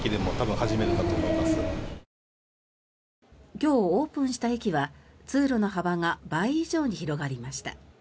今日オープンした駅は通路の幅が倍以上に広がりました。